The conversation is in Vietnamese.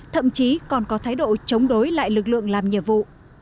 thậm chí còn có thái độ chống đối lại lực lượng làm nhiệm vụ